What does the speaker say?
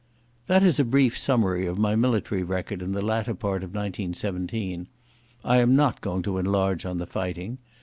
That is a brief summary of my military record in the latter part of 1917. I am not going to enlarge on the fighting.